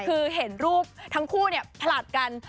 คือเห็นรูปทั้งคู่เนี่ยผลัดกัน